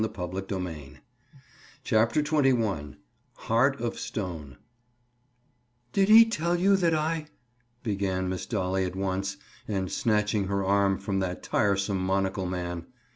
They approached Dolly. CHAPTER XXI—HEART OF STONE "Did he tell you that I—?" began Miss Dolly at once, and snatching her arm from that tiresome monocle man.